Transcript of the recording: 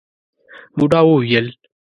بوډا وويل: